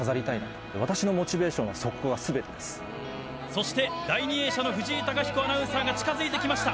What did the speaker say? そして第２泳者の藤井貴彦アナウンサーが近づいてきました！